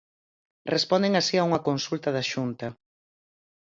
Responden así a unha consulta da Xunta.